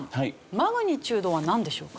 マグニチュードはなんでしょうか？